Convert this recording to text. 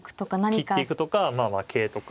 切っていくとかまあ桂とか。